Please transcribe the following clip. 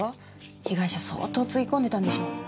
被害者相当つぎ込んでたんでしょ？